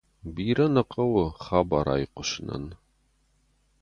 Бирӕ нӕ хъӕуы хабар айхъуысынӕн.